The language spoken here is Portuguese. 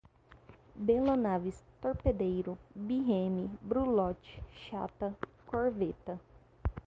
Belonaves, torpedeiro, birreme, brulote, chata, corveta